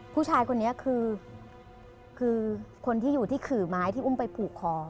ผู้ชายคนนี้คือคนที่อยู่ที่ขื่อไม้ที่อุ้มไปผูกคอ